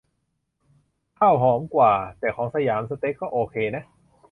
ข้าวหอมกว่า แต่ของสยามสเต็กก็โอเคนะ